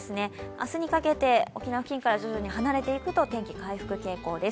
明日にかけて沖縄付近から徐々に離れていくと天気、回復傾向です。